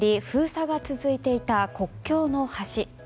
封鎖が続いていた国境の橋。